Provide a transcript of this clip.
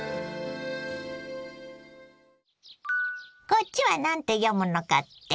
こっちは何て読むのかって？